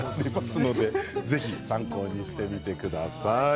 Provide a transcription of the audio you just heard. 参考にしてみてください。